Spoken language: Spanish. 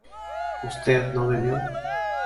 ¿usted no bebió?